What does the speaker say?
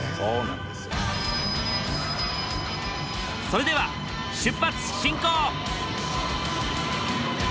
それでは出発進行！